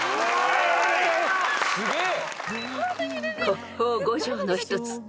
すげえ。